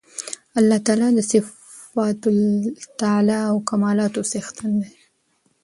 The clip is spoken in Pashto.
الله تعالی د صفات العُلی او کمالاتو څښتن دی